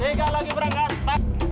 tiga lagi berangkat